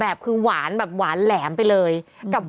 มะม่วงสุกก็มีเหมือนกันมะม่วงสุกก็มีเหมือนกัน